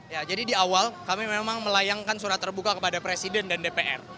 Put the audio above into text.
ya jadi di awal kami memang melayangkan surat terbuka kepada presiden dan dpr